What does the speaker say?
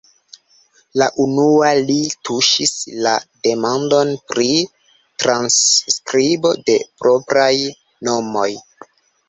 La unua li tuŝis la demandon "Pri transskribo de propraj nomoj".